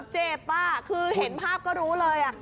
เจ็บคือเห็นภาพก็รู้เลย